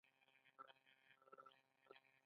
د اسهال لپاره د انارو کومه برخه وکاروم؟